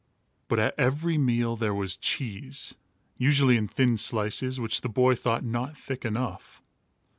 But at every meal there was cheese, usually in thin slices, which the boy thought not thick enough.